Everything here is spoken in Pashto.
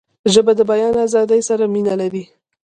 ژبه د بیان آزادۍ سره مینه لري